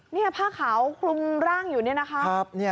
นี่ผ้าขาวคลุมร่างอยู่นี่นะคะ